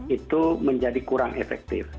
itu menjadi kurang efektif